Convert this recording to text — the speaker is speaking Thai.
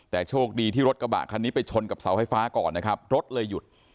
แต่โชคดีที่รถกระบะคันนี้ไปชนกับเสาไฟฟ้าก่อนนะครับรถเลยหยุด